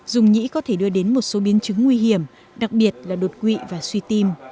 dung nhĩ có thể đưa đến một số biến chứng nguy hiểm đặc biệt là đột quỵ và suy tim